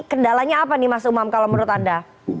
kendalanya apa nih mas umam kalau menurut anda